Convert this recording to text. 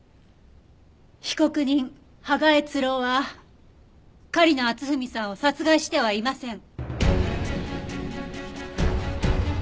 被告人芳賀悦郎は狩野篤文さんを殺害してはいません。